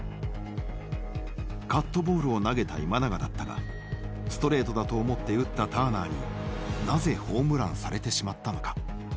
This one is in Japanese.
カットボールを投げた今永だったがストレートだと思って打ったターナーになぜホームランされてしまったのか？